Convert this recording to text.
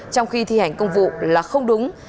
trong khi thi hành công vụ là không đúng